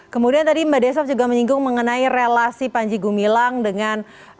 kemudian tadi mbak desaf juga menyinggung mengenai relasi panji gumilang dengan